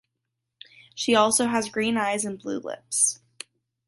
She also has green eyes and blue lips.